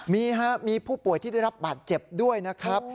มีครับมีผู้ป่วยที่ได้รับบาดเจ็บด้วยนะครับ